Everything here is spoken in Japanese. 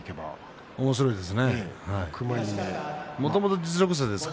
明生はおもしろいですね